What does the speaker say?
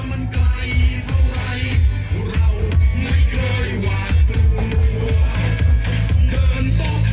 เราคือคนขีดเส้นทางนี้เองเส้นทางของการเปลี่ยนแปลก